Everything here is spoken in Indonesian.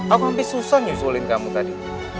aku lebih susah nyusulin kamu tadi